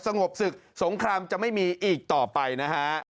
งบศึกสงครามจะไม่มีอีกต่อไปนะฮะ